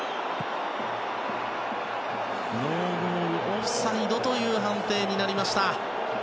オフサイドという判定になりました。